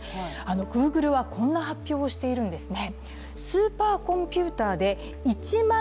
Ｇｏｏｇｌｅはこんな発表をしているんですね。